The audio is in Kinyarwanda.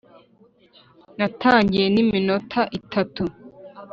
natangiye niminota itatu